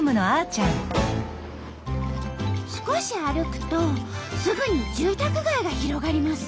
少し歩くとすぐに住宅街が広がります。